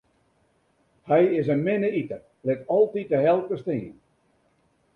Hy is in minne iter, lit altyd de helte stean.